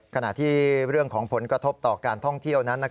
ขณะที่เรื่องของผลกระทบต่อการท่องเที่ยวนั้น